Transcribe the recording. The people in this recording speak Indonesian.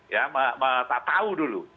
ya tahu dulu